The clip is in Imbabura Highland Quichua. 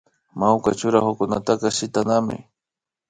Mawka churanakunataka shitanami